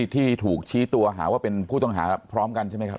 ที่ถูกชี้ตัวหาว่าเป็นผู้ต้องหาพร้อมกันใช่ไหมครับ